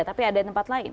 tapi ada di tempat lain